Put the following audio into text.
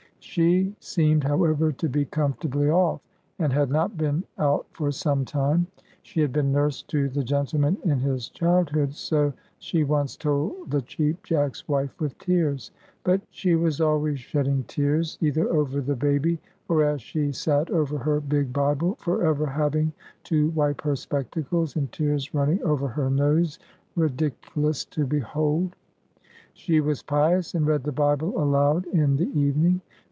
She seemed, however, to be comfortably off, and had not been out for some time. She had been nurse to the gentleman in his childhood, so she once told the Cheap Jack's wife with tears. But she was always shedding tears, either over the baby, or as she sat over her big Bible, "for ever having to wipe her spectacles, and tears running over her nose ridic'lus to behold." She was pious, and read the Bible aloud in the evening.